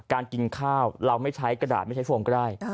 กินข้าวเราไม่ใช้กระดาษไม่ใช้โฟมก็ได้